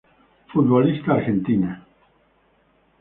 Futbolista argentina.